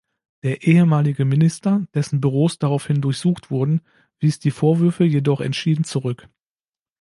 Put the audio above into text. Der ehemalige Minister, dessen Büros daraufhin durchsucht wurden, wies die Vorwürfe jedoch entschieden zurück.